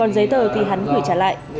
giấy tờ thì hắn gửi trả lại